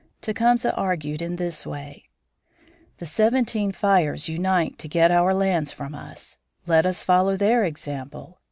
Tecumseh argued in this way: The Seventeen Fires unite to get our lands from us. Let us follow their example.